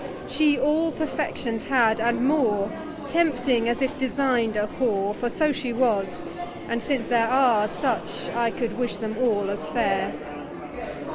She all Perfections had, and more, Tempting, as if design'd a Whore , For so she was; and since there are Such, I could wish them all as fair.